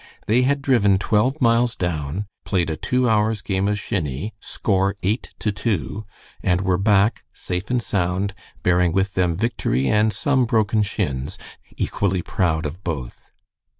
They had driven twelve miles down, played a two hours' game of shinny, score eight to two, and were back safe and sound, bearing with them victory and some broken shins, equally proud of both.